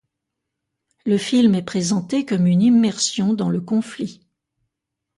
Le film est présenté comme une immersion dans le conflit.